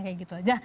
kayak gitu aja